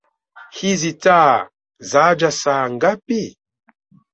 Hizi taa zaja saa ngapi?